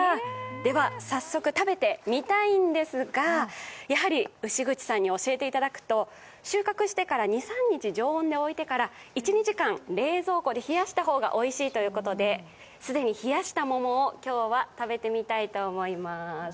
では、早速食べてみたいんですがやはり牛口さんに教えていただくと収穫してから２３日常温でおいてから、１時間冷蔵庫で冷やした方がおいしいということで既に冷やした桃を今日は食べてみたいと思います。